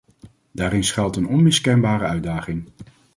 Daarin schuilt een onmiskenbare uitdaging.